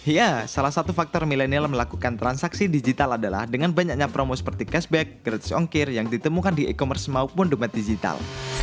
ya salah satu faktor milenial melakukan transaksi digital adalah dengan banyaknya promo seperti cashback grade songkir yang ditemukan di e commerce maupun domet digital